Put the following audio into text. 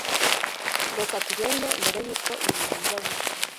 Reka tugende mbere yuko ibintu biba bibi